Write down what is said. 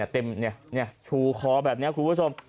เท่มเนี้ยชูคอแบบนี้คุณผู้ชม